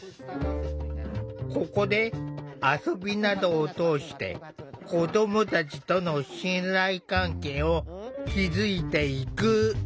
ここで遊びなどを通して子どもたちとの信頼関係を築いていく。